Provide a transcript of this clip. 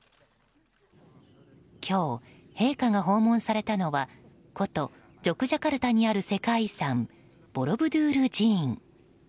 今日、陛下が訪問されたのは古都ジョクジャカルタにある世界遺産ボロブドゥール寺院。